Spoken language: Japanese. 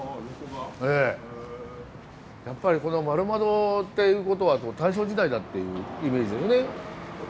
やっぱりこの丸窓っていうことは大正時代だっていうイメージだよね。